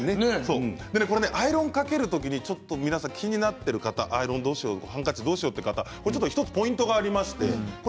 アイロンをかける時にちょっと皆さん気になっている方ハンカチどうしようという方１つポイントがありまして。